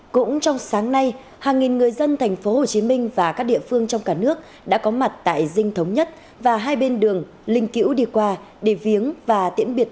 cũng trong sáng nay hàng nghìn người dân tp hcm và các địa phương trong cả nước đã có mặt tại dinh thống nhất và hai bên đường linh kiểu địa quà đề viếng và tiễn biệt